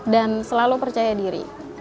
dan selalu percaya diri